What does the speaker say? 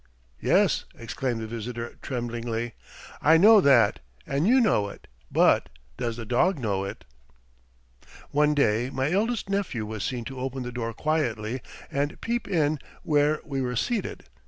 "Yes," exclaimed the visitor, tremblingly, "I know that and you know it, but does the dog know it?" One day my eldest nephew was seen to open the door quietly and peep in where we were seated.